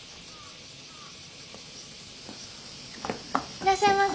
いらっしゃいませ。